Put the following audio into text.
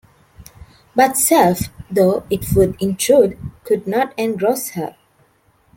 But self, though it would intrude, could not engross her.